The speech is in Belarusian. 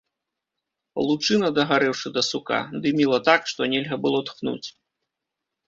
Лучына, дагарэўшы да сука, дыміла так, што нельга было тхнуць.